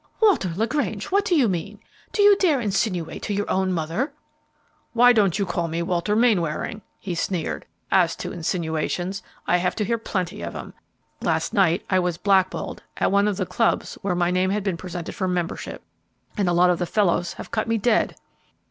"Walter LaGrange, what do you mean? Do you dare insinuate to your own mother " "Why don't you call me Walter Mainwaring?" he sneered. "As to insinuations, I have to hear plenty of 'em. Last night I was black balled at one of the clubs where my name had been presented for membership, and a lot of the fellows have cut me dead."